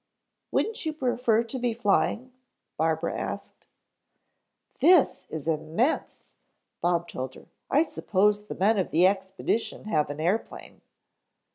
"Wouldn't you prefer to be flying?" Barbara asked. "This is immense," Bob told her. "I suppose the men of the expedition have an airplane."